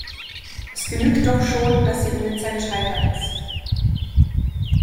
Es genügt doch schon, dass sie in Nizza gescheitert ist.